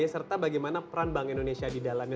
serta bagaimana peran bank indonesia di dalamnya